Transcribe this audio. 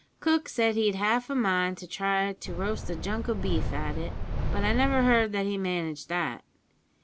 Cook said he'd half a mind to try to roast a junk o' beef at it, but I never heard that he managed that.